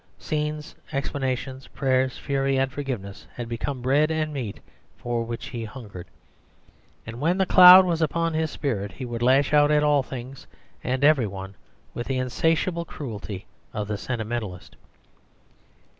Scenes, explanations, prayers, fury, and forgiveness had become bread and meat for which he hungered; and when the cloud was upon his spirit, he would lash out at all things and every one with the insatiable cruelty of the sentimentalist.